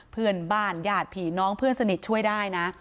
เพื่อนบ้านญาติผีน้องเพื่อนสนิทช่วยได้นะ